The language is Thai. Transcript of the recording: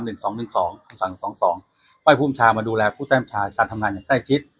เพราะให้ผู้มชามาดูแลผู้แท่มชาการทำงานอย่างช่างในชิด